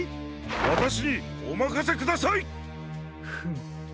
わたしにおまかせください！フム。